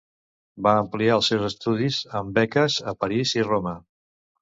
Va ampliar els seus estudis amb beques a París i Roma.